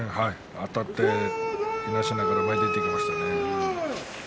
あたっていなしながら前に出ていきました。